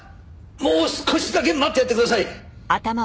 もう少しだけ待ってやってください。